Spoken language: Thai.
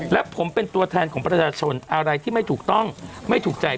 และผมเป็นตัวแทนของประชาชนอะไรที่ไม่ถูกต้องไม่ถูกใจ